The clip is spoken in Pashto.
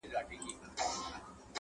• د افغان په نوم لیکلی بیرغ غواړم -